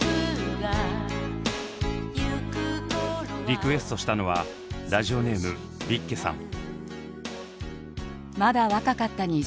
リクエストしたのはラジオネームびっけさん。